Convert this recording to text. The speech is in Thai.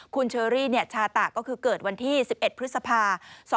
คุณเชอรี่ชาตะก็คือเกิดวันที่๑๑พฤษภา๒๕๖